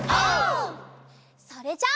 それじゃ。